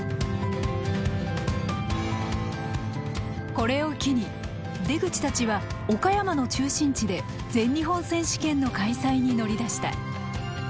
これを機に出口たちは岡山の中心地で全日本選手権の開催に乗り出した。